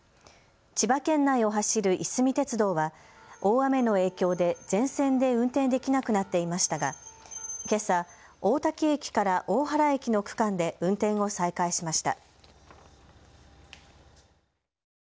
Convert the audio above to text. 千葉県内を走るいすみ鉄道は大雨の影響で全線で運転できなくなっていましたがけさ大多喜駅から大原駅の区間で運転を再開しました。